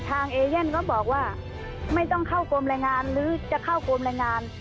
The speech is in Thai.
เอเย่นก็บอกว่าไม่ต้องเข้ากรมรายงานหรือจะเข้ากรมแรงงาน